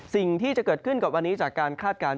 สิ่งที่จะเกิดขึ้นกับวันนี้จากการคาดการณ